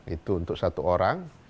itu untuk satu orang